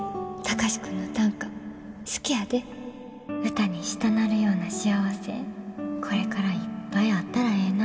歌にしたなるような幸せこれからいっぱいあったらええな。